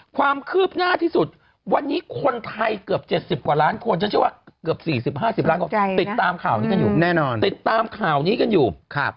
ความคืบหน้าที่สุดวันนี้คนไทยเกือบ๗๐กว่าล้านคนฉันเชื่อว่าเกือบ๔๐๕๐ล้านคนติดตามข่าวนี้กันอยู่